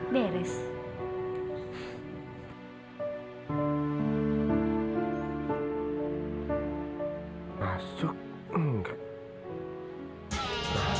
biar saya kesana